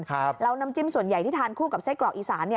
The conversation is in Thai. แล้วน้ำจิ้มส่วนใหญ่ที่ทานคู่กับไส้กรอกอีสาน